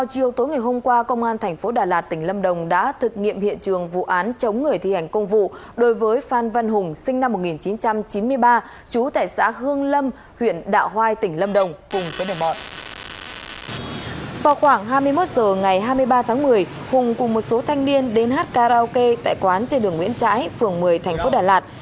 tại ngày hai mươi ba tháng một mươi hùng cùng một số thanh niên đến hát karaoke tại quán trên đường nguyễn trãi phường một mươi thành phố đà lạt